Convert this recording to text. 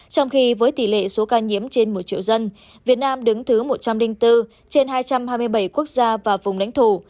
trong khi với tỷ lệ số ca nhiễm trên một triệu dân việt nam đứng thứ một trăm linh bốn trên hai trăm hai mươi bảy quốc gia và vùng lãnh thổ